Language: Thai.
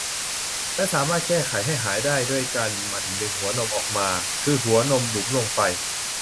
และสามารถแก้ไขให้หายได้ด้วยการหมั่นดึงหัวนมออกมา คือหัวนมบุ๋มลงไป